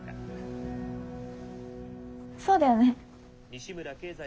そうだよね。